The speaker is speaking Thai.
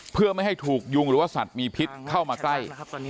เพื่อไม่ให้ถูกยุงหรือว่าสัตว์มีพิษเข้ามาใกล้